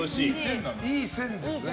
いい線ですね。